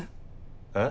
えっ？